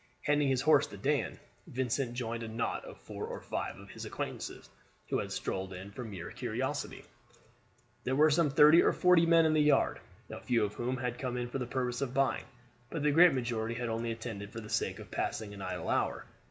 Handing his horse to Dan, Vincent joined a knot of four or five of his acquaintances who had strolled in from mere curiosity. There were some thirty or forty men in the yard, a few of whom had come in for the purpose of buying; but the great majority had only attended for the sake of passing an idle hour.